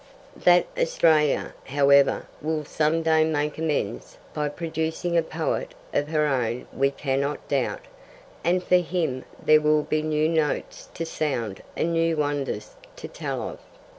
That Australia, however, will some day make amends by producing a poet of her own we cannot doubt, and for him there will be new notes to sound and new wonders to tell of.